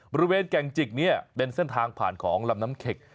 บริเวณแก่งจิกนี้เป็นเส้นทางผ่านของลำน้ำเข็ก